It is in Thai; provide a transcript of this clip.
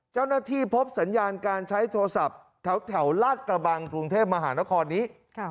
เจ้าหน้าที่พบสัญญาณการใช้โทรศัพท์แถวลาดกระบังกรุงเทพมหานครนี้